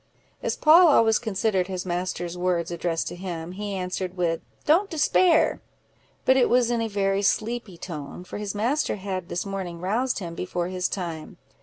As Poll always considered his master's words addressed to him, he answered with, "Don't despair;" but it was in a very sleepy tone, for his master had this morning roused him before his time.